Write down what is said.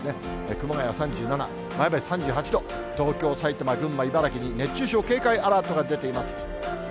熊谷３７、前橋３８度、東京、埼玉、群馬、茨城に熱中症警戒アラートが出ています。